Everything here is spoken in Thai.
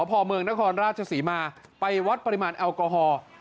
ตำรวจศพเมืองนะคะณฑราชศีมาไปวัดปริมาณแอลกอฮอล์